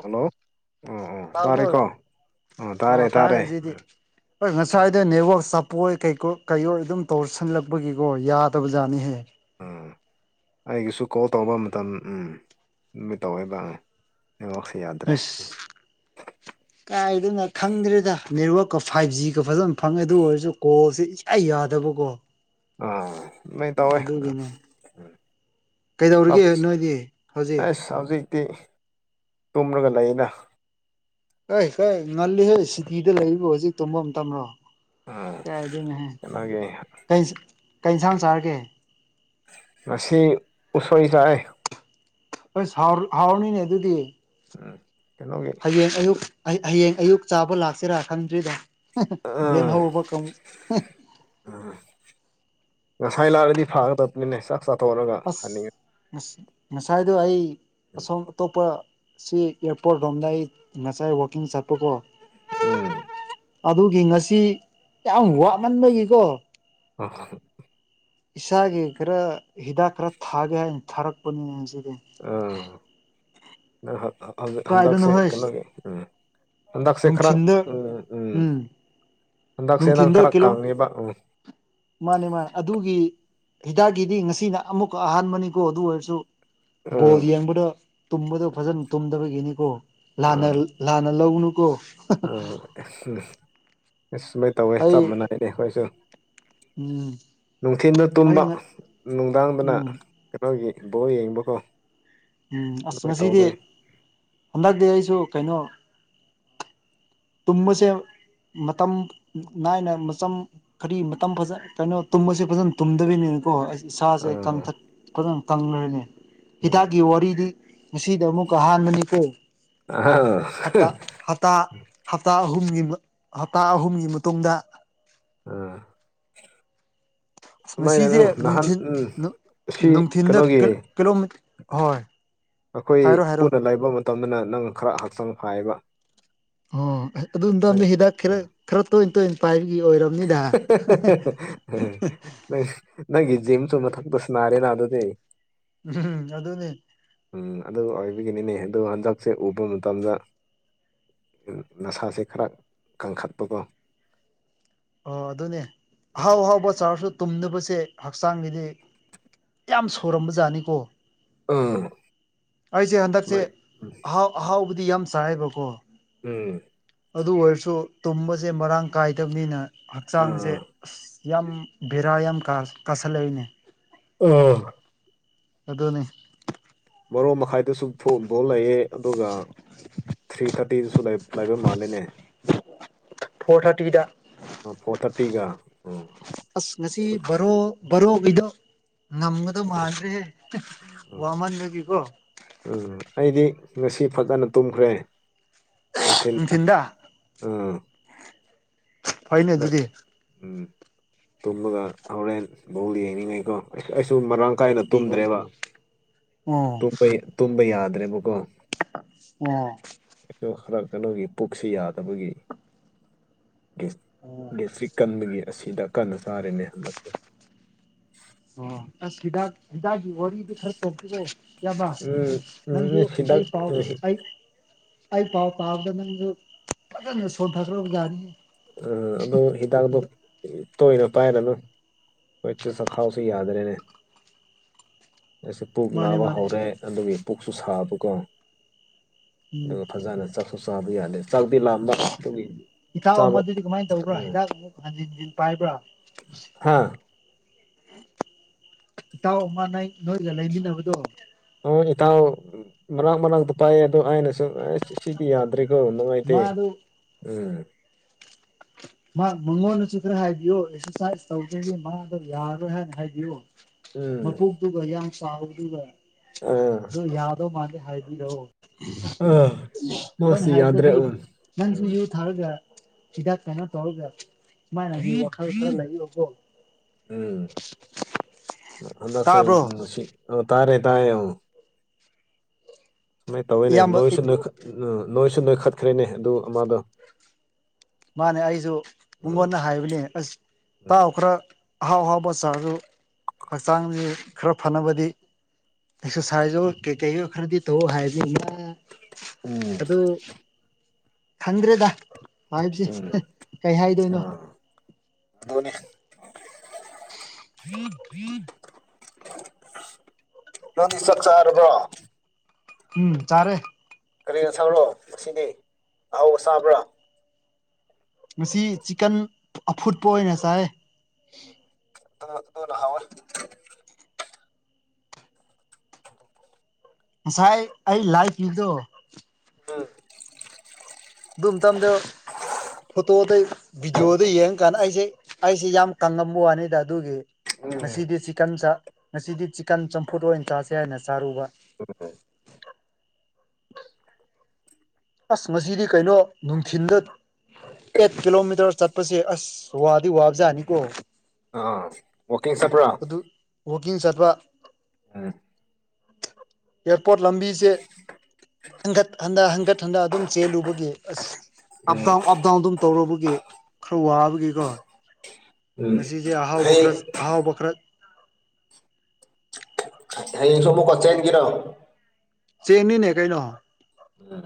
hello ꯎ ꯎ ꯇꯥꯔꯦ ꯀꯣ ꯇꯥꯕ꯭ꯔꯣ ꯑꯣ ꯇꯥꯏ ꯍꯧꯖꯤꯗꯤ ꯍ ꯉꯁꯥꯏ ꯍꯥꯏꯗ ꯅꯦꯠꯋꯔ ꯆ ꯄꯣꯏ ꯀꯩꯀꯣ ꯑꯗꯨꯝ ꯇꯧꯁꯜꯂꯛꯄꯒꯤꯀꯣ ꯌꯥꯗꯕꯖꯥꯠꯅꯤꯍꯦ ꯑ ꯑꯩꯒꯤꯁꯨ ꯀꯣꯜ ꯇꯧꯕ ꯃꯇꯝ ꯎꯝ ꯅꯨꯃꯤꯠ ꯇꯧꯋꯦꯗ ꯑꯁ ꯀꯥꯏꯗꯅ ꯈꯪꯗ꯭ꯔꯦꯗ ꯅꯦꯠꯋꯛꯀ ꯐꯥꯏꯚ ꯖꯤꯒ ꯐꯖꯅ ꯐꯪꯉꯦ ꯑꯗꯨ ꯑꯣꯏꯔꯁꯨ ꯀꯣꯜꯁꯦ ꯏ ꯌꯥꯗꯕꯀꯣ ꯑꯥ ꯅꯣꯏ ꯇꯧꯋꯦ ꯑꯗꯨꯒꯤꯅꯦ ꯀꯩꯗꯧꯔꯤꯒꯦ ꯅꯣꯏꯗꯤ ꯍꯧꯖꯤꯛ ꯑꯦ ꯁꯖꯤ ꯇꯤ ꯇꯨꯝꯔꯒ ꯂꯩꯩꯅ ꯀꯩ ꯀꯩ ꯉꯜꯂꯤꯍꯦ ꯁꯤꯇꯤꯗ ꯂꯩꯔꯤꯕꯣ ꯍꯧꯖꯤꯛ ꯇꯨꯝꯐꯝ ꯑꯃ ꯇ꯭ꯔꯣ ꯎꯝ ꯀꯌꯥꯗꯣꯏꯅꯦꯍꯦ ꯀꯩꯅꯣꯒꯤ ꯀꯩꯁꯥꯡꯝ ꯆꯥꯔꯒꯦ ꯃꯁꯤꯁꯤ ꯎꯁꯣꯏ ꯆꯏ ꯍ ꯍꯥꯎꯔꯅꯤꯅꯦ ꯑꯗꯨꯗꯤ ꯎꯝ ꯀꯩꯅꯣꯒꯤ ꯍꯌꯦꯡ ꯑꯌꯨꯛ ꯍꯌꯦꯡ ꯑꯌꯨꯛ ꯆꯥꯕ ꯂꯥꯛꯁꯤꯔꯥ ꯈꯪꯗ꯭ꯔꯤꯗ ꯑꯥ ꯂꯦꯝꯍꯥꯎꯕ ꯀꯝ ꯉꯁꯥꯏ ꯂꯥꯔꯗꯤ ꯐꯥꯒ ꯇ ꯅꯁ ꯆꯥꯊꯣꯛꯂꯒ ꯍꯟꯅꯤꯡꯉꯤ ꯑꯁ ꯉꯁꯥꯏꯗꯣ ꯑꯩ ꯑꯁꯣꯝ ꯑꯇꯣꯞꯄ ꯁꯤ ꯑꯦꯌꯥꯔꯄꯣꯔꯠ ꯂꯣꯝꯗ ꯑꯩ ꯉꯁꯥꯏ ꯋꯥꯛꯀꯤꯡ ꯆꯠꯄꯀꯣ ꯎꯝ ꯑꯗꯨꯒꯤ ꯉꯁꯤ ꯌꯥꯝ ꯋꯥꯃꯟꯕꯒꯤꯀꯣ ꯑ ꯏꯁꯥꯒꯤ ꯈꯔ ꯍꯤꯗꯥꯛ ꯈꯔ ꯊꯥꯒꯦ ꯍꯥꯏꯅ ꯊꯥꯔꯛꯄꯅꯤ ꯎ ꯅ ꯀꯥꯏꯗꯅꯣ ꯍꯟꯗꯛꯁꯦ ꯍꯣꯏ ꯀꯩꯅꯣꯒꯤ ꯎꯝ ꯍꯟꯗꯛꯁꯦ ꯈꯔ ꯅꯨꯡꯊꯤꯟꯗ ꯎꯝ ꯎꯝ ꯍꯟꯗꯛꯁꯦ ꯅꯪ ꯅꯨꯡꯊꯤꯟꯗ ꯈꯔ ꯀꯤꯂꯣ ꯀꯪꯉꯦꯕ ꯎꯝ ꯃꯥꯅꯦ ꯃꯥꯅꯤ ꯑꯗꯨꯒꯤ ꯍꯤꯗꯥꯛꯀꯤꯗꯤ ꯉꯁꯤꯅ ꯑꯃꯨꯛ ꯑꯍꯥꯟꯕꯅꯤꯀꯣ ꯑꯗꯨ ꯑꯣꯏꯔꯁꯨ ꯕꯣꯜ ꯎꯝ ꯌꯦꯡꯕꯗ ꯇꯨꯝꯕꯗ ꯐꯖꯅ ꯇꯨꯝꯗꯕꯒꯤꯅꯤꯀꯣ ꯂꯥꯟꯅ ꯂꯧꯅꯨ ꯑꯝ ꯎꯝ ꯑ ꯁꯨꯃꯥꯏꯅ ꯇꯧꯋꯦ ꯑꯩ ꯆꯞ ꯃꯥꯟꯅꯏꯩꯅꯦ ꯑꯩꯈꯣꯏꯁꯨ ꯎꯝ ꯅꯨꯡꯊꯤꯟꯜꯗ ꯑꯩ ꯇꯨꯝꯕ ꯅꯨꯡꯗꯥꯡꯗꯅ ꯎꯝ ꯀꯩꯅꯣꯒꯤ ꯏ ꯕꯣ ꯌꯦꯡꯕꯀꯣ ꯎꯝ ꯑꯁ ꯑꯗꯨꯃꯥꯏꯅ ꯉꯁꯤꯗꯤ ꯇꯧꯕꯅꯤ ꯍꯟꯗꯛꯇꯤ ꯑꯩꯁꯨ ꯀꯩꯅꯣ ꯇꯃꯁꯦ ꯃꯇꯝ ꯅꯥꯏꯅ ꯃꯇꯝ ꯈꯔꯤ ꯃꯇꯝ ꯐꯖ ꯀꯩꯅꯣ ꯇꯨꯝꯕꯁꯦ ꯐꯖꯅ ꯇꯨꯝꯗꯕꯤꯅꯤꯅ ꯀꯣ ꯑꯩ ꯏꯁꯥꯁꯦ ꯑꯥ ꯀꯊꯇꯪ ꯀꯪꯈ꯭ꯔꯅꯤ ꯎꯝ ꯍꯤꯗꯥꯛꯀꯤ ꯋꯥꯔꯤꯗꯤ ꯉꯁꯤꯗ ꯑꯃꯨꯛꯀ ꯑꯍꯥꯟꯕꯅꯤꯀꯣ ꯑꯥ ꯍꯞꯇꯥ ꯍꯞꯇꯥ ꯍꯞꯇꯥ ꯑꯍꯨꯝꯒꯤ ꯍꯞꯇꯥ ꯑꯍꯨꯝꯒꯤ ꯃꯇꯨꯡꯗ ꯑꯥ ꯑ ꯃꯁꯤꯁꯦ ꯅꯍꯥꯟ ꯅꯨꯡꯊꯤꯤꯟ ꯎꯝ ꯁꯤ ꯅꯨꯡꯊꯤꯤꯟꯗ ꯀꯩꯅꯣꯒꯤ ꯀꯤꯂꯣ ꯍꯣꯏ ꯑꯩꯈꯣꯏ ꯍꯥꯏꯔꯣ ꯍꯥꯏꯔꯣ ꯄꯨꯟꯅ ꯂꯩꯕ ꯃꯇꯝꯗꯅ ꯅꯪ ꯈꯔ ꯍꯛꯆꯥꯡ ꯐꯥꯏꯌꯦꯕ ꯑꯣ ꯅꯪ ꯑꯗꯨ ꯍꯤꯗꯥꯛ ꯈꯔ ꯈꯔ ꯇ ꯇ ꯄꯥꯏ ꯅꯪꯒꯤꯖꯤ ꯆ ꯃꯊꯛꯄꯁꯅꯔꯦ ꯅ ꯑꯗꯨꯗꯤ ꯎꯝ ꯑꯗꯨꯗꯅꯦ ꯎꯝ ꯑꯗꯨ ꯑꯣꯏꯕꯤꯒꯤꯅꯤꯅꯦ ꯑꯗꯨ ꯍꯟꯗꯛꯁꯦ ꯎꯕ ꯃꯇꯝꯗ ꯅꯁꯥꯁꯦ ꯈꯔ ꯀꯪꯈꯠꯄꯗꯣ ꯑꯣ ꯑꯗꯨꯅꯦ ꯍꯥꯎ ꯍꯥꯎꯕ ꯆꯥꯔꯁꯨ ꯇꯨꯝꯗꯕꯁꯦ ꯍꯛꯆꯥꯡꯒꯤꯗꯤ ꯌꯥꯝ ꯁꯣꯔꯝꯕ ꯖꯥꯠꯅꯤꯀꯣ ꯑꯥ ꯑꯩꯁꯦ ꯍꯟꯗꯛꯁꯦ ꯁꯨꯃꯥꯏ ꯎꯝ ꯑꯍꯥꯎ ꯑꯍꯥꯎꯕꯗꯤ ꯌꯥꯝ ꯆꯥꯏꯕꯀꯣ ꯎꯝ ꯑꯗꯨ ꯑꯣꯏꯔꯁꯨ ꯇꯨꯝꯕꯁꯦ ꯃꯔꯥꯡ ꯀꯥꯏꯗꯕꯅꯤꯅ ꯍꯛꯆꯥꯡꯁꯦ ꯑꯥ ꯑꯁ ꯌꯥꯝ ꯕꯦꯔꯥ ꯌꯥꯝ ꯀꯥꯁꯜꯂꯛꯏꯅꯦ ꯑꯣ ꯑꯗꯨꯅꯤ ꯃꯔꯣ ꯃꯈꯥꯏꯗꯁꯨ ꯊꯣꯛꯑ ꯐꯥꯎ ꯂꯩꯑ ꯑꯗꯨꯒ ꯊ꯭ꯔꯤ ꯊꯥꯔꯇꯤꯁꯨ ꯂꯥꯏꯕ ꯃꯥꯂꯦꯅꯦ ꯐꯣꯔ ꯊꯥꯔꯇꯤꯗ ꯐꯣꯔ ꯊꯥꯔꯇꯤꯒ ꯎꯝ ꯑꯁ ꯉꯁꯤ ꯔꯣ ꯔꯣ ꯀꯗꯣ ꯉꯝꯒꯗꯣ ꯃꯥꯟꯗ꯭ꯔꯦ ꯎꯝ ꯋꯥꯃꯟꯒꯤꯀꯣ ꯎꯝ ꯑꯩꯗꯤ ꯉꯁꯤ ꯐꯖꯅ ꯇꯨꯝꯈ꯭ꯔꯦ ꯅꯨꯡꯊꯤꯜꯗ ꯅꯨꯡꯊꯤꯟꯗ ꯎꯝ ꯐꯅ ꯑꯗꯨꯤꯗꯤ ꯇꯨꯝꯃꯗ ꯍꯣꯔꯦꯟ ꯕꯧꯗ ꯌꯦꯡꯅꯤꯡꯉꯩꯀꯣ ꯑꯩꯁꯨ ꯃꯔꯥꯡ ꯀꯥꯏꯅ ꯇꯨꯝꯗ꯭ꯔꯦꯕ ꯑꯣ ꯇꯨꯝꯕ ꯌꯥꯗ꯭ꯔꯦꯕꯀꯣ ꯑ ꯁꯨ ꯈꯔ ꯀꯩꯅꯣꯒꯤ ꯄꯨꯛꯁꯤ ꯌꯥꯗꯕꯒꯤ ꯑꯣ ꯒꯦꯁꯇ꯭ꯔꯤꯛ ꯀꯟꯕꯒꯤ ꯑꯁꯤꯗ ꯀꯟꯅ ꯆꯥꯔꯦꯅꯦ ꯍꯟꯗꯛꯁꯦ ꯑꯣ ꯁꯤꯗꯥ ꯋꯥꯔꯤꯗꯨ ꯈꯔ ꯇꯣꯛꯄꯤꯔꯣ ꯌꯥꯕ ꯎꯝ ꯎꯝ ꯅꯪꯁꯨ ꯍꯤꯗꯥꯛ ꯑꯩ ꯄꯥꯎ ꯎꯝ ꯑꯩ ꯑꯩ ꯄꯥꯎ ꯄꯥꯕꯗ ꯅꯪꯁꯨ ꯐꯖꯅ ꯁꯣꯟꯊꯈ꯭ꯔꯕ ꯌꯥꯅꯤ ꯑ ꯑꯗꯨ ꯍꯤꯗꯥꯛꯗꯣ ꯇꯣꯏꯅ ꯄꯥꯏꯔꯅꯨ ꯑꯩꯣꯏ ꯆꯦ ꯁ ꯈꯥꯎꯁꯤ ꯌꯥꯗꯔꯦꯅꯦ ꯑꯩꯁꯦ ꯄꯨꯛ ꯃꯥꯅꯦ ꯅꯥꯕ ꯃꯥꯅꯦ ꯍꯧꯔꯦ ꯑꯗꯨꯒꯤ ꯄꯨꯛꯁꯨ ꯁꯥꯕꯀꯣ ꯎꯝ ꯑꯗꯨꯒ ꯐꯖꯅ ꯆꯥꯛꯁꯨ ꯆꯥꯕ ꯌꯥꯗꯦ ꯆꯥꯛꯗꯤꯤ ꯂꯥꯝꯕ ꯑꯗꯨꯒꯤ ꯍ ꯆꯥꯕ ꯑꯃꯗꯨꯗꯤ ꯀꯃꯥꯏꯅ ꯇꯧꯕ꯭ꯔꯥ ꯍꯤꯗꯥꯛ ꯑꯃꯨꯛ ꯍꯟꯖꯤꯟꯖꯤꯟ ꯄꯥꯏꯕ꯭ꯔꯥ ꯍꯥꯥ ꯏꯇꯥꯎ ꯑꯃ ꯅ ꯅꯣꯏꯒ ꯂꯩꯃꯤꯟꯅꯕꯗꯣ ꯍ ꯏꯇꯥꯎ ꯃꯅꯥꯛ ꯃꯅꯥꯛꯇ ꯄꯥꯏꯑ ꯑꯗꯣ ꯑꯩꯅꯁꯨꯨꯝ ꯑꯁ ꯁꯤꯗꯤ ꯌꯥꯗ ꯀꯣ ꯅꯃꯥꯏꯇꯦ ꯃꯥꯗꯨ ꯎꯝ ꯃꯥ ꯃꯉꯣꯟꯗꯁꯨ ꯈꯔ ꯍꯥꯏꯕꯤꯌꯣ ꯑꯦꯛꯁꯔꯁꯥꯏꯁ ꯇꯧꯖꯦ ꯃꯥꯗꯣ ꯌꯥꯔꯣꯏ ꯍꯥꯏꯅ ꯍꯥꯏꯕꯤꯌꯣ ꯎꯝ ꯃ ꯄꯨꯒꯗꯨꯒ ꯌꯥꯝ ꯁꯥꯥꯎꯗꯨꯒ ꯑꯥ ꯌꯥꯗꯣ ꯃꯥꯅꯤ ꯍꯥꯏꯕꯤꯔꯛꯑꯣ ꯑꯥ ꯍꯣꯏꯅ ꯃꯥꯁꯤ ꯌꯥꯗ꯭ꯔꯦ ꯍꯥꯏꯕꯗꯗꯤ ꯎꯝ ꯅꯪꯁꯨ ꯎꯝ ꯌꯨ ꯊꯥꯔꯒ ꯁꯤꯤꯗꯥꯥꯛ ꯀꯥꯏꯅꯣ ꯇꯧꯒ ꯃꯥꯥꯏ ꯀꯊ ꯂꯣ ꯎꯝ ꯑꯁꯦ ꯇꯥꯕ꯭ꯔꯣ ꯇꯥꯔꯦ ꯇꯥꯏꯌꯦꯡ ꯁꯨꯃꯥꯏꯅ ꯇꯧꯋꯦꯅꯦ ꯏꯌꯥꯝꯕ ꯅꯣꯏꯁꯨ ꯅꯣꯏꯁꯨ ꯅꯈꯠꯈ꯭ꯔꯦꯅꯦ ꯑꯗꯨ ꯃꯥꯗꯣ ꯃꯥꯅꯦ ꯑꯩꯁꯨ ꯃꯨꯡꯉꯣꯟꯅ ꯍꯥꯏꯕꯅꯦ ꯑꯁ ꯎꯝ ꯇꯥꯛꯑꯣ ꯈꯔ ꯑꯍꯥꯎ ꯑꯍꯥꯎꯕ ꯆꯥꯔꯗꯨ ꯍꯛꯆꯥꯡꯁꯤ ꯈꯔ ꯐꯅꯕꯗꯤ ꯑꯦꯛꯁꯔꯁꯥꯏꯖꯣ ꯀꯩꯀꯩ ꯈꯔꯗꯤ ꯇꯧ ꯍꯥꯏꯕꯃ ꯎꯝ ꯈꯪꯗ꯭ꯔꯦꯗ ꯍꯥꯏꯁ ꯀꯩ ꯍꯥꯏꯗꯣꯏꯅꯣ ꯣꯅꯤ ꯐ ꯐ ꯅ ꯁꯆꯥꯔꯒ ꯎꯝ ꯆꯥꯔꯦ ꯀꯔꯤꯅꯣ ꯁꯥꯎꯔꯣ ꯉꯁꯤꯅꯤ ꯑꯍꯥꯎꯕ ꯆꯥꯕ꯭ꯔꯥ ꯉ ꯆꯤꯀꯟ ꯑꯐꯨꯠꯄ ꯑꯣꯏꯅ ꯆꯥꯏ ꯅꯍꯋꯥ ꯉꯁꯥꯏ ꯑꯩ ꯂꯥꯏꯐꯀꯤꯗꯣ ꯎꯝ ꯑꯗꯨ ꯚꯗꯤꯑꯣꯗ ꯌꯦꯡꯉꯀꯥꯟꯗ ꯑꯩꯁꯦ ꯑꯩꯁꯦ ꯌꯥꯝ ꯀꯪꯉꯝꯕ ꯋꯥꯅꯤꯗ ꯑꯗꯨꯒꯤ ꯎꯝ ꯉꯁꯤꯗꯤ ꯆꯤꯛꯀꯟ ꯉꯁꯤꯗꯤ ꯆꯤꯀꯟ ꯆꯝꯐꯨꯠ ꯑꯣꯏꯅ ꯆꯥꯁꯦ ꯍꯥꯏꯅ ꯆꯥꯔꯨꯕ ꯍ ꯍ [unintelligible] ꯑꯁ ꯃꯁꯤꯗꯤ ꯀꯩꯅꯣ ꯅꯨꯡꯊꯤꯟꯗ ꯑꯦꯠ ꯀꯤꯂꯣꯃꯤꯇꯔ ꯆꯠꯄꯁꯦ ꯑꯁ ꯋꯥꯗꯤ ꯋꯥꯕꯖꯥꯠꯅꯤꯀꯣ ꯑꯥ ꯋꯥꯀꯤꯡ ꯁꯠꯄ꯭ꯔꯥ ꯀꯤꯡ ꯆꯠꯄ ꯎꯝ ꯑꯦꯌꯥꯔꯄꯣꯔꯠ ꯂꯝꯕꯤꯁꯦ ꯍꯟꯒꯠ ꯍꯟꯗ ꯍꯟꯒꯠ ꯍꯟꯗ ꯑꯗꯨꯝ ꯆꯦꯜꯂꯨꯕꯒꯤ ꯑꯁ ꯎꯝ ꯑꯞꯗꯥꯎꯟ ꯑꯞ ꯗꯥꯎꯟ ꯑꯗꯨꯝ ꯇꯧꯔꯨꯔꯕꯒꯤ ꯈꯔ ꯋꯥꯕꯒꯤꯀꯣ ꯎꯝ ꯉꯁꯤꯁꯦ ꯑꯍꯥꯎꯕ ꯈꯔ ꯍꯌꯦꯡ ꯑꯍꯥꯎꯕ ꯈꯔ ꯑꯩ ꯁꯨ ꯑꯃꯨꯛ ꯀꯆꯦꯜꯀꯦꯔꯣ ꯆꯅꯤꯅꯦ ꯀꯩꯅꯣ ꯎꯝ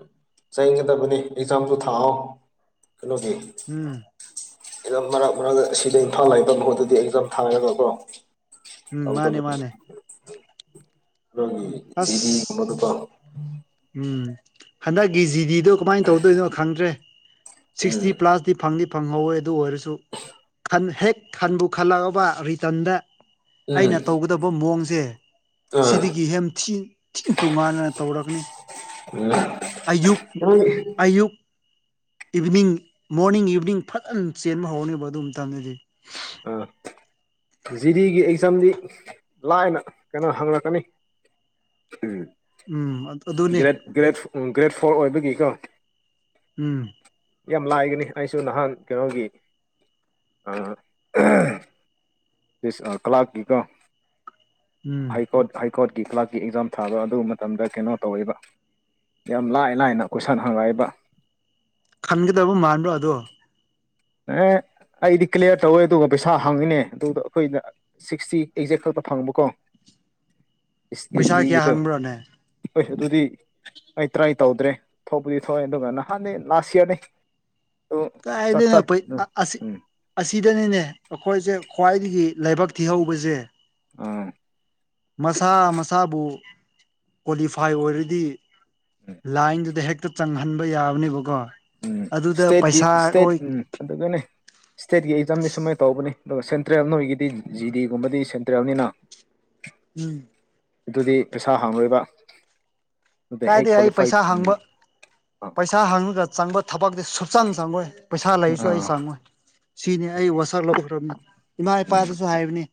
ꯆꯩꯒꯗꯕꯅꯤ ꯑꯦꯛꯖꯥꯝꯁꯨ ꯊꯥꯛꯍꯧ ꯀꯩꯅꯣꯒꯤ ꯎꯝ ꯑꯦꯝ ꯃꯔꯛ ꯃꯔꯛꯇ ꯑꯁꯤꯗ ꯏꯝꯐꯥꯜ ꯂꯩꯥꯛꯏꯕ ꯃꯍꯨꯠꯇꯗꯤ ꯑꯦꯖꯝ ꯊꯥꯔꯒꯀ꯭ꯔꯣ ꯎꯝ ꯃꯥꯅꯦ ꯃꯥꯅꯦ ꯑꯗꯨꯒꯤ ꯑꯁ ꯖꯦꯗꯤꯒꯨꯝꯗꯨꯀꯣ ꯎꯝ ꯍꯟꯗꯛꯀꯤ ꯖꯤꯗꯤꯗꯣ ꯀꯃꯥꯏꯅ ꯇꯧꯗꯣꯏꯅꯣ ꯈꯪꯗ꯭ꯔꯦ ꯎꯝ ꯁꯤꯛꯁꯇꯤ ꯄ꯭ꯂꯥꯁꯇꯤ ꯐꯪ ꯐꯪꯍꯧꯋꯦ ꯑꯗꯨ ꯑꯣꯏꯔꯁꯨ ꯍꯦꯛ ꯈꯟꯕꯨ ꯈꯜꯂꯛꯑꯕ ꯔꯤꯇꯟꯗ ꯎꯝ ꯑꯩꯅ ꯇꯧꯒꯗꯕ ꯃꯑꯣꯡꯁꯦ ꯑꯥ ꯁꯤꯗꯒꯤ ꯍꯦꯝꯊꯤ ꯇꯣꯉꯥꯟꯅꯅ ꯇꯧꯔꯛꯅꯤ ꯎꯝ ꯑꯌꯨꯛ ꯅꯣꯏꯒꯤ ꯑꯌꯨꯛ ꯏꯚꯤꯅꯤꯡ ꯃꯣꯔꯅꯤꯡ ꯏꯚꯤꯅꯤꯡ ꯐꯖꯅ ꯆꯦꯟꯕ ꯍꯧꯔꯅꯦꯕ ꯑꯗꯨ ꯃꯇꯡꯗꯗꯤ ꯑꯥ ꯖꯤꯗꯤꯒꯤ ꯑꯦꯛꯖꯥꯝꯗꯤ ꯂꯥꯏꯅ ꯀꯩꯅꯣ ꯍꯪꯂꯛꯀꯅꯤ ꯎꯝ ꯎꯝ ꯑꯗꯨꯅꯦ ꯎ ꯒ꯭ꯔꯦꯠ ꯐꯣꯔ ꯑꯣꯏꯕꯒꯤꯀꯣ ꯎꯝ ꯌꯥꯝ ꯂꯥꯏꯒꯅꯤ ꯑꯩꯁꯨ ꯅꯍꯥꯟ ꯀꯩꯅꯣꯒꯤ ꯀꯂꯀꯤꯒ ꯎꯝ ꯍꯥꯏꯀꯣꯠ ꯍꯥꯏ ꯀꯣꯠꯀꯤ ꯀ꯭ꯂꯥꯁꯀꯤ ꯑꯦꯛꯖꯥꯝ ꯊꯥꯕ ꯑꯗꯨ ꯃꯇꯝꯗ ꯀꯩꯅꯣ ꯇꯧꯋꯦꯕ ꯌꯥꯝ ꯂꯥꯏ ꯂꯥꯏꯅ ꯀꯣꯏꯁꯟ ꯍꯪꯉꯏꯕ ꯈꯟꯒꯗꯕ ꯃꯥꯟꯕ꯭ꯔꯣ ꯑꯗꯣ ꯑ ꯑꯩꯗꯤ ꯀ꯭ꯂꯤꯌꯥꯔ ꯇꯧꯋꯦ ꯑꯗꯨꯒ ꯄꯩꯁꯥ ꯍꯪꯉꯤꯅꯦ ꯑꯗꯨꯗ ꯑꯩꯈꯣꯏꯅ ꯁꯤꯛꯁꯇꯤ ꯑꯦꯛꯖꯦꯛ ꯈꯛꯇ ꯐꯪꯕꯀꯣ ꯏꯁ ꯄꯩꯁꯥ ꯀꯌꯥ ꯏꯁꯇꯒꯤꯇꯣ ꯍꯪꯕ꯭ꯔꯣꯅꯦ ꯍ ꯑꯗꯨꯗꯤ ꯑꯩ ꯇ꯭ꯔꯥꯏ ꯇꯧꯗ꯭ꯔꯦ ꯊꯣꯛꯄꯗꯤ ꯊꯣꯛꯑꯦ ꯑꯗꯨꯒ ꯅꯍꯥꯟꯅꯦ ꯂꯥꯁ ꯏꯔꯅꯤ ꯑ ꯆ ꯑꯗꯨ ꯑꯁꯤꯗꯅꯤꯅꯦ ꯑꯩꯈꯣꯏꯁꯦ ꯈ꯭ꯋꯥꯏꯗꯒꯤ ꯂꯥꯏꯕꯛ ꯊꯤꯍꯧꯕꯁꯦ ꯑ ꯃꯁꯥ ꯃꯁꯥꯕꯨ ꯀ꯭ꯋꯥꯂꯤꯐꯥꯏ ꯑꯣꯏꯔꯗꯤ ꯂꯥꯏꯟꯗꯨꯗ ꯍꯦꯛꯇ ꯆꯪꯍꯟꯕ ꯌꯥꯕꯅꯦꯕꯀꯣ ꯎꯝ ꯑꯗꯨꯗ ꯏꯁꯇꯦꯠꯀꯤ ꯄꯩꯁꯥ ꯏꯁꯇꯦꯠ ꯑꯣꯏ ꯎꯝ ꯑꯗꯨꯒꯅꯦ ꯏꯁꯇꯦꯠꯀꯤ ꯑꯦꯛꯖꯥꯝꯗꯤ ꯁꯨꯃꯥꯏꯅ ꯇꯧꯕꯅꯤ ꯑꯗꯨꯒ ꯁꯦꯟꯇ꯭ꯔꯦꯜ ꯅꯣꯏꯒꯤꯗꯤ ꯖꯤꯗꯤꯒꯨꯝꯕꯗꯤ ꯁꯦꯟꯇ꯭ꯔꯦꯜꯅꯤꯅ ꯎꯝ ꯑꯗꯨꯗꯤ ꯄꯩꯁꯥ ꯍꯥꯡꯔꯣꯏꯕ ꯗ ꯍꯦꯛ ꯀꯥꯏꯗꯩ ꯑꯩ ꯀ꯭ꯋꯥꯂꯤꯐꯥꯏ ꯄꯩꯁꯥ ꯎ ꯍꯪꯕ ꯄꯄꯥꯛꯇꯦ ꯁꯛꯆꯥꯡ ꯆꯪꯉꯣꯏ ꯄꯩꯁꯥ ꯂꯩꯁꯨ ꯑꯩ ꯑꯥ ꯆꯪꯉꯣꯏ ꯁꯤꯅꯤ ꯎꯝ ꯑꯩ ꯋꯥꯁꯛ ꯂꯧꯈ꯭ꯔꯕꯅꯤ ꯏꯃꯥ ꯏꯄꯥꯗꯨꯁꯨ ꯍꯥꯏꯕꯅꯤ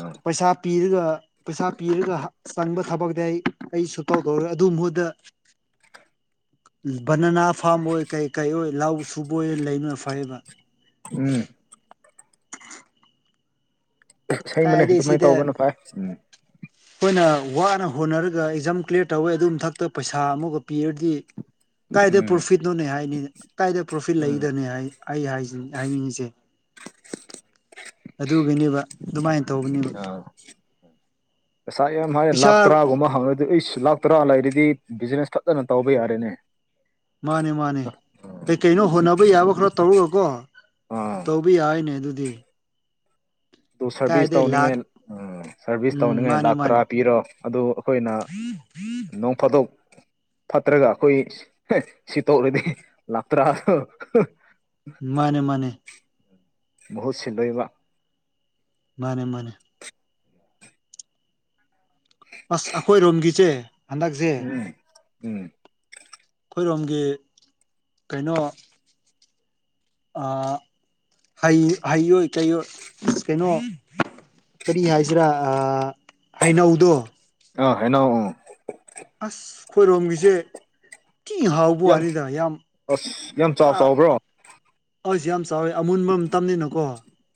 ꯑꯥ ꯄꯩꯁꯥ ꯄꯤꯔꯒ ꯄꯩꯁꯥ ꯄꯤꯔꯒ ꯆꯪꯕ ꯊꯕꯛꯇꯤ ꯑꯩ ꯑꯩꯁꯨ ꯇꯧ ꯀꯧꯔꯦ ꯑꯗꯨ ꯃꯨꯗ ꯕꯅꯅꯥ ꯐꯥꯔꯝ ꯑꯣꯏ ꯀꯩ ꯀꯩ ꯑꯣꯏ ꯂ ꯁꯨꯕ ꯑꯣꯏ ꯂꯩꯅꯣꯏ ꯐꯩꯕ ꯎꯝ ꯏꯁꯩꯕꯅꯦ ꯀꯥꯏꯗꯩ ꯑꯗꯨꯃꯥꯏꯅ ꯁꯤꯗ ꯇꯧꯕꯅ ꯐꯥꯏ ꯎꯝ ꯑꯩꯈꯣꯏꯅ ꯋꯥꯅ ꯍꯣꯠꯅꯔꯒ ꯑꯦꯛꯖꯥꯝ ꯀ꯭ꯂꯤꯌꯥꯔ ꯇꯧꯋꯦ ꯑꯗꯨ ꯃꯊꯛꯇ ꯄꯩꯁꯥ ꯑꯃꯒ ꯄꯤꯔꯗꯤ ꯀꯥꯏꯗ ꯎꯝ ꯄ꯭ꯔꯣꯐꯤꯠꯅꯣꯅꯦ ꯍꯥꯏꯅꯤ ꯀꯥꯏꯗ ꯄ꯭ꯔꯣꯐꯤꯠ ꯎꯝ ꯂꯩꯗꯅꯤ ꯍꯥꯏ ꯑꯩ ꯍꯥꯏꯁꯤ ꯍꯥꯏꯅꯤꯡꯉꯤꯁꯦ ꯑꯗꯨꯒꯤꯅꯦꯕ ꯑꯗꯨꯃꯥꯏꯅ ꯇꯧꯕꯅꯦꯕ ꯑꯥ ꯄꯩꯁꯥ ꯌꯥꯝ ꯍꯥꯏꯔꯦ ꯏꯁꯥ ꯂꯥꯛ ꯇꯔꯥꯒꯨꯝꯕ ꯍꯪꯉꯗꯤ ꯑꯩꯁꯨ ꯂꯥꯛ ꯇꯔꯥ ꯂꯩꯔꯗꯤ ꯕꯤꯖꯤꯅꯦꯁ ꯐꯖꯅ ꯇꯧꯕ ꯌꯥꯔꯦꯅꯦ ꯃꯥꯅꯤ ꯃꯥꯅꯦ ꯀꯩ ꯀꯩꯅꯣ ꯍꯣꯠꯅꯕ ꯌꯥꯕ ꯈꯔ ꯇꯧꯔꯒꯀꯣ ꯑꯥ ꯇꯧꯕꯤ ꯌꯥ ꯍꯥꯏꯅꯦ ꯑꯗꯨꯗꯤ ꯑꯗꯨ ꯁꯔꯚꯤꯁ ꯀꯥꯏꯗꯩ ꯂꯥꯛ ꯇꯧꯅꯤꯡꯉꯥꯏ ꯎꯝ ꯁꯔꯚꯤꯁ ꯎꯝ ꯇꯧꯅꯤꯡꯉꯥꯏ ꯃꯥꯅꯦ ꯂꯥꯛ ꯇꯔꯥ ꯃꯥꯅꯦ ꯄꯤꯔꯣ ꯑꯗꯨ ꯑꯩꯈꯣꯏꯅ ꯅꯣꯡꯐꯥꯗꯣꯛ ꯐꯠꯇ꯭ꯔꯒ ꯑꯩꯈꯣꯏ ꯁꯤ ꯇꯧꯔꯗꯤ ꯂꯥꯛꯇ꯭ꯔꯥ ꯃꯥꯅꯦ ꯃꯥꯅꯦ ꯍꯨ ꯁꯤꯂꯣꯏꯕ ꯃꯥꯅꯦ ꯃꯥꯅꯦ ꯑꯁ ꯑꯩꯈꯣꯏꯔꯣꯝꯒꯤꯁꯦ ꯍꯟꯗꯛꯁꯦ ꯎꯝ ꯎꯝ ꯑꯩꯈꯣꯏꯔꯣꯝꯒꯤ ꯀꯩꯅꯣ ꯍꯩꯣꯏ ꯀꯩꯣꯏ ꯀꯩꯅꯣ ꯀꯔꯤ ꯍꯥꯏꯁꯤꯔꯥ ꯍꯩꯅꯧꯗꯣ ꯑ ꯍꯅꯣ ꯑ ꯑꯁ ꯈꯣꯏꯔꯣꯝꯒꯤꯁꯦ ꯀꯤ ꯍꯥꯎꯕ ꯋꯥꯅꯤꯗ ꯌꯥꯝ ꯑꯁ ꯌꯥꯝ ꯆꯥꯎ ꯆꯥꯎꯕ꯭ꯔꯣ ꯑꯩꯁꯨ ꯌꯥꯝ ꯆꯥꯎꯋꯦ ꯑꯃꯨꯟꯕ ꯑꯃ ꯇꯝꯅꯤꯅꯀꯣ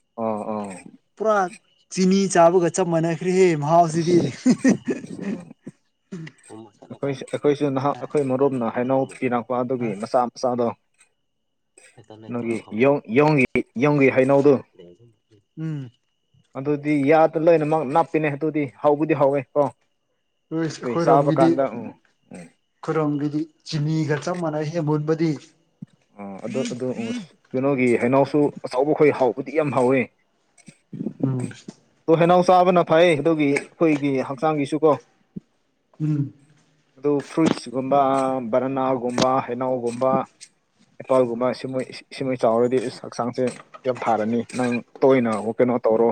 ꯑꯥ ꯑꯥ ꯎꯝ ꯄꯨꯔꯥ ꯆꯤꯅꯤ ꯆꯥꯕꯒ ꯆꯞ ꯃꯥꯟꯅꯈ꯭ꯔꯦꯍꯦ ꯃꯍꯥꯎꯁꯤꯗꯤ ꯑꯩꯈꯣꯏ ꯑꯩꯈꯣꯏꯁꯨ ꯅꯍꯥꯛ ꯑꯩꯈꯣꯏ ꯃꯔꯨꯞꯅ ꯍꯩꯅꯧ ꯊꯤꯔꯛꯄ ꯑꯗꯨꯒꯤ ꯃꯆꯥ ꯃꯆꯥꯗꯣ ꯅꯪꯒꯤ ꯌ ꯌꯣꯡꯒꯤ ꯍꯥꯏꯩꯅꯧꯗꯨ ꯎꯝ ꯑꯗꯨꯗꯤ ꯌꯥꯗꯅ ꯂꯣꯏꯅꯃꯛ ꯅꯞꯄꯤꯅꯦ ꯑꯗꯨꯗꯤ ꯍꯧꯕꯗꯤ ꯍꯧꯋꯦ ꯀꯣ ꯑꯗꯨꯏ ꯆꯥꯕ ꯑꯩꯈꯣꯏꯔꯣꯝꯒꯤꯗꯤ ꯀꯥꯟꯗ ꯎꯝ ꯎꯝ ꯑꯩꯈꯣꯏꯔꯣꯝꯒꯤꯗꯤ ꯆꯤꯅꯤꯒ ꯆ ꯃꯅꯥꯁꯤ ꯃꯍꯣꯠ ꯤ ꯑ ꯑ ꯑ ꯀꯩꯅꯣꯒꯤ ꯍꯅꯥꯎꯁꯨ ꯑꯆꯕꯈꯣꯏ ꯍꯥꯎꯕꯗꯤ ꯌꯥꯝ ꯍꯥꯎꯋꯦ ꯎꯝ ꯑꯗꯣ ꯍꯩꯅꯧ ꯆꯥꯕꯅ ꯐꯩ ꯑꯗꯨꯒꯤ ꯑꯩꯈꯣꯏꯒꯤ ꯍꯛꯆꯥꯡꯒꯤꯁꯨ ꯀꯣ ꯎꯝ ꯑꯗꯨꯗꯨ ꯐ꯭ꯔꯨꯠꯁꯒꯨꯝꯕ ꯔꯅꯥꯒꯨꯝꯕ ꯈꯅꯥꯎꯒꯨꯝꯕ ꯑꯦꯄꯥꯜꯒꯨꯝꯕ ꯁꯤꯃꯣꯏ ꯁꯤꯁꯤꯡꯃꯣꯏ ꯆꯥꯎꯔꯗꯤ ꯍꯛꯆꯥꯡꯁꯦ ꯌꯥꯝ ꯊꯥꯔꯅꯤ ꯅꯪ ꯇꯣꯏꯅ ꯀꯩꯅꯣ ꯇꯧꯔꯣ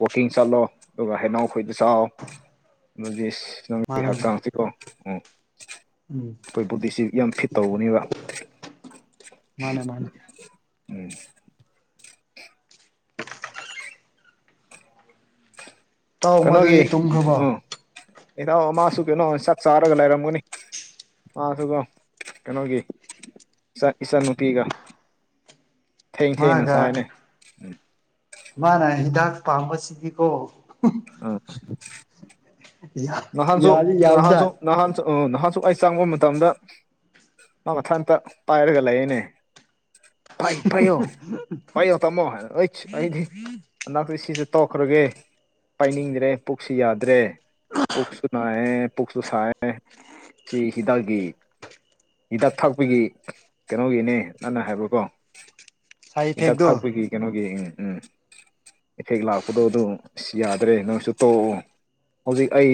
ꯋꯥꯛꯀꯤꯡ ꯆꯠꯂꯣ ꯑꯗꯨꯒ ꯍꯩꯅꯥꯎꯈꯣꯏꯗ ꯆꯥꯛ ꯑꯗꯨ ꯅꯪꯒꯤ ꯃꯥꯅꯦ ꯍꯞꯆꯥꯡꯁꯤꯀꯣ ꯎ ꯎꯝ ꯑꯩꯈꯣꯏ ꯕꯣꯗꯤꯁꯤ ꯌꯥꯝ ꯐꯤꯠ ꯇꯧꯒꯅꯦꯕ ꯃꯥꯅꯦ ꯃꯥꯅꯦ ꯎꯝ ꯇꯥꯎ ꯀꯩꯅꯣꯒꯤ ꯃꯗꯨꯗꯤ ꯇꯨꯝꯈ꯭ꯔꯕꯣ ꯎꯝ ꯏꯗꯑꯣ ꯃꯥꯁꯨ ꯀꯩꯅꯣ ꯁꯥꯛ ꯆꯥꯔꯒ ꯂꯩꯔꯝꯒꯅꯤ ꯃꯥꯁꯨ ꯀꯩꯅꯣꯒꯤ ꯏꯆꯟꯟꯅꯨꯄꯤꯒ ꯊꯦꯡ ꯊꯦꯡꯅ ꯃꯥꯒ ꯁꯥꯏꯅꯦ ꯎ ꯃꯥꯅ ꯍꯤꯗꯥꯛ ꯄꯥꯝꯕꯁꯤꯗꯤꯀꯣ ꯎꯝ ꯅꯍꯥꯟꯁꯨ ꯌꯥꯗꯤ ꯅꯍꯥꯟꯁꯨ ꯌꯥꯕꯖꯥꯠ ꯅꯍꯥꯟꯁꯨ ꯅꯍꯥꯛꯁꯨ ꯑꯩ ꯆꯪꯕ ꯃꯇꯝꯗ ꯃꯥ ꯃꯊꯥ ꯑꯝꯇ ꯄꯥꯏꯔꯒ ꯂꯩꯅꯦ ꯐꯥꯏ ꯐꯥꯏꯌꯣ ꯄꯥꯏꯌꯣ ꯇꯝꯃꯣ ꯑꯩ ꯑꯩꯗꯤ ꯁꯤꯁ ꯇꯣꯛꯈ꯭ꯔꯒꯦ ꯄꯥꯏꯅꯤꯡꯗ꯭ꯔꯦ ꯄꯨꯛꯁꯤ ꯌꯥꯗ꯭ꯔꯦ ꯄꯨꯛꯁꯨ ꯅꯥꯏꯌꯦ ꯄꯨꯛꯁꯨ ꯁꯥꯏꯦ ꯁꯤ ꯍꯤꯗꯥꯛꯀꯤ ꯍꯤꯗꯥꯛ ꯊꯥꯛꯄꯒꯤ ꯀꯩꯅꯣꯒꯤꯅꯦ ꯅꯟꯅ ꯍꯥꯏꯕꯀꯣ ꯁꯥꯏꯠ ꯏꯤꯗꯛ ꯏꯐꯦꯛꯇꯣ ꯊꯛꯄꯒꯤ ꯀꯩꯅꯣꯒꯤ ꯎꯝ ꯎ ꯏꯐꯦꯛ ꯂꯥꯛꯄꯗꯣ ꯑꯗꯨ ꯑ ꯌꯥꯗ꯭ꯔꯦ ꯅꯪꯁꯨ ꯇꯧꯑꯣ ꯍꯧꯖꯤꯛ ꯑꯩ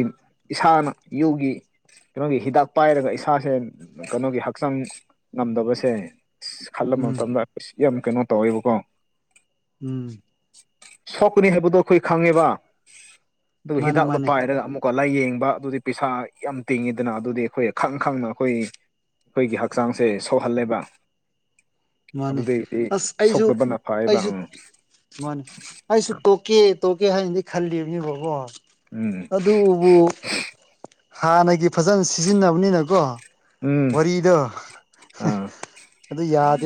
ꯏꯁꯥꯅ ꯌꯨꯒꯤ ꯀꯩꯅꯣꯒꯤ ꯍꯤꯗꯥꯛ ꯄꯥꯏꯔꯒ ꯏꯁꯥꯁꯦ ꯀꯩꯅꯣꯒꯤ ꯍꯛꯆꯥꯡ ꯉꯝꯗꯕꯁꯦ ꯑ ꯈꯜꯂꯝꯕ ꯎꯝ ꯃꯇꯝꯗꯁ ꯌꯥꯝ ꯀꯩꯅꯣ ꯇꯧꯋꯦꯕꯀꯣ ꯎꯝ ꯁꯣꯛꯀꯅꯤ ꯍꯥꯏꯕꯗꯣ ꯑꯩꯈꯣꯏ ꯈꯪꯉꯦꯕ ꯑꯗꯨꯒ ꯃꯥꯅꯦ ꯍꯤꯗꯥꯛꯇꯣ ꯃꯥꯅꯦ ꯄꯥꯏꯔꯒ ꯀꯣ ꯂꯥꯏꯌꯦꯡꯕ ꯑꯗꯨꯗꯤ ꯄꯩꯁꯥ ꯌꯥꯝ ꯇꯤꯡꯉꯤꯗꯅ ꯑꯗꯨꯗꯤ ꯑꯩꯈꯣꯏ ꯈꯪ ꯈꯪꯅ ꯑꯩꯈꯣꯏ ꯑꯩꯈꯣꯏꯒꯤ ꯍꯛꯆꯥꯡꯁꯦ ꯁꯣꯛꯍꯜꯂꯦꯕ ꯃꯥꯅꯦ ꯑꯗꯨꯗꯩꯗꯤ ꯑꯁ ꯑꯩꯁꯨ ꯁꯣꯛꯇꯕꯅ ꯐꯩꯌꯦꯕ ꯑꯩꯁꯨ ꯎꯝ ꯃꯥꯅꯤ ꯑꯩꯁꯨ ꯀꯣꯛ ꯇꯣꯛꯀꯦ ꯇꯣꯛꯀꯦ ꯍꯥꯏꯅꯗꯤ ꯈꯜꯂꯤꯕꯅꯦꯕꯣ ꯎꯝ ꯍꯥꯟꯅꯒꯤ ꯐꯖꯅ ꯁꯤꯖꯤꯟꯅꯕꯅꯤꯅꯀꯣ ꯎꯝ ꯋꯥꯔꯤꯗꯣ ꯑꯥ ꯑꯗꯨ ꯌꯥꯗ